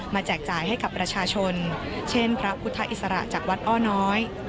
แจกจ่ายให้กับประชาชนเช่นพระพุทธอิสระจากวัดอ้อน้อย